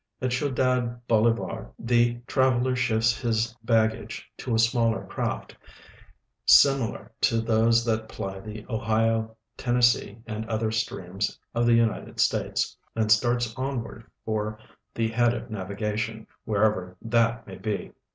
At Ciudad Bolivar the traveler shifts his baggage to a smaller craft, similar to those that ply the Ohio, Tennessee, and other streams of the United States, and starts onward for the head of navigation, A\dierever that may he.